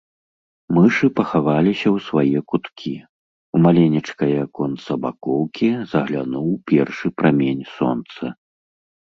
Мышы пахаваліся ў свае куткі, у маленечкае аконца бакоўкі заглянуў першы прамень сонца.